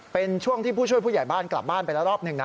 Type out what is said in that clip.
เป็นช่วงที่ผู้ช่วยผู้ใหญ่บ้านกลับบ้านไปแล้วรอบหนึ่งนะ